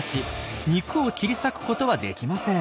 肉を切り裂くことはできません。